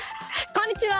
こんにちは。